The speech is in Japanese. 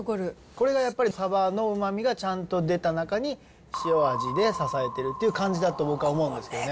これがやっぱり、サバのうまみがちゃんと出た中に、塩味で支えてるっていう感じだと僕は思うんですよね。